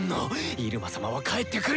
イルマ様は帰ってくる！